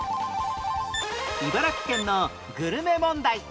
茨城県のグルメ問題